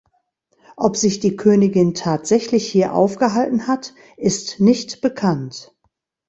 Ob sich die Königin tatsächlich hier aufgehalten hat, ist nicht bekannt.